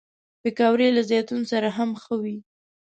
پکورې له زیتون سره هم ښه وي